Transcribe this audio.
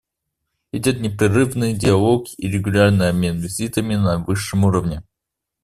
Идет непрерывный диалог и регулярный обмен визитами на высшем уровне.